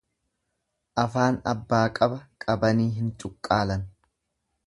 Afaan abbaa qaba qabanii hin cuqqaalan.